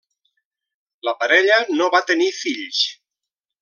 La parella no va tenir fills.